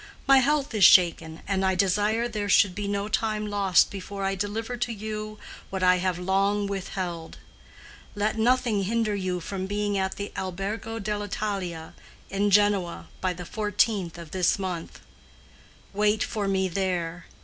My health is shaken, and I desire there should be no time lost before I deliver to you what I have long withheld. Let nothing hinder you from being at the Albergo dell' Italia in Genoa by the fourteenth of this month. Wait for me there.